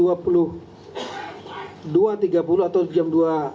dua tiga puluh atau jam dua puluh tiga